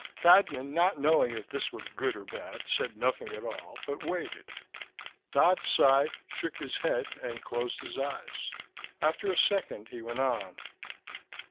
Cadnan, not knowing if this were good or bad, said nothing at all, but waited. Dodd sighed, shook his head and closed his eyes. After a second he went on.